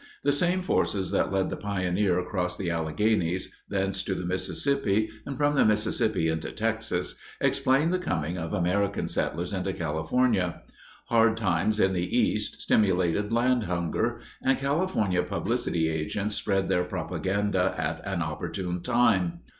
The same forces that led the pioneer across the Alleghenies, thence to the Mississippi, and from the Mississippi into Texas, explain the coming of American settlers into California. Hard times in the East stimulated land hunger, and California publicity agents spread their propaganda at an opportune time.